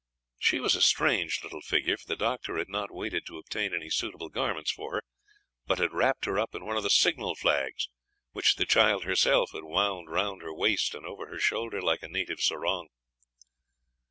She was a strange little figure, for the doctor had not waited to obtain any suitable garments for her, but had wrapped her up in one of the signal flags, which the child herself had wound round her waist and over her shoulder like a native sarong.